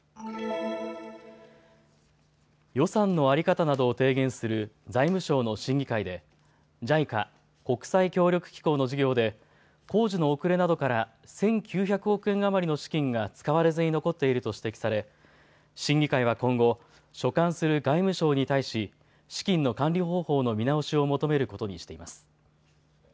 予算の在り方などを提言する財務省の審議会でＪＩＣＡ・国際協力機構の事業で工事の遅れなどから１９００億円余りの資金が使われずに残っていると指摘され、審議会は今後、所管する外務省に対し資金の管理方法の見直しを求めることにしています。